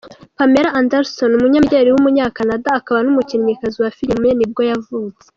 Pamela Anderson, umunyamideli w’umunyakanada akaba n’umukinnyikazi wa filime nibwo yavutse.